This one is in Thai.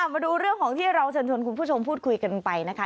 มาดูเรื่องของที่เราเชิญชวนคุณผู้ชมพูดคุยกันไปนะคะ